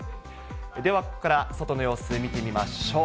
では、ここから外の様子、見てみましょう。